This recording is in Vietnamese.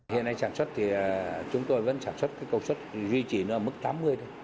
hiện nay sản xuất thì chúng tôi vẫn sản xuất cái cầu xuất duy trì nó mức tám mươi thôi